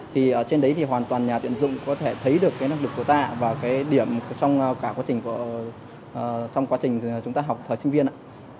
thì ở trên đấy thì hoàn toàn nhà tuyển dụng có thể thấy được cái năng lực của ta và cái điểm trong cả quá trình trong quá trình chúng ta học thời sinh viên ạ